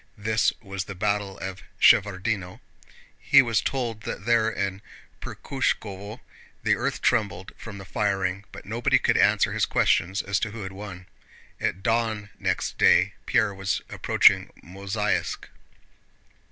(This was the battle of Shevárdino.) He was told that there in Perkhúshkovo the earth trembled from the firing, but nobody could answer his questions as to who had won. At dawn next day Pierre was approaching Mozháysk.